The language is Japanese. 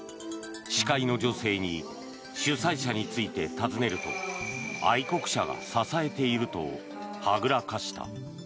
司会の女性に主催者について尋ねると愛国者が支えているとはぐらかした。